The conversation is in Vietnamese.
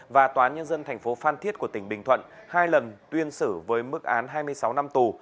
và toán nhân dân tp phan thiết của tỉnh bình thuận hai lần tuyên sử với mức án hai mươi sáu năm tù